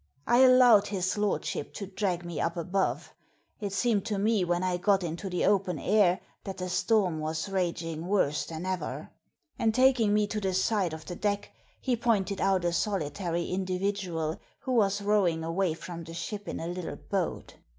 I allowed his lordship to drag me up above. It seemed to me when I got into the open air that the storm was raging worse than ever; and taking me to the side of the deck, he pointed out a solitary Digitized by VjOOQIC ROBBERY ON THE "STORMY PETREL" 255 individual who was rowing away from the ship in a little boat.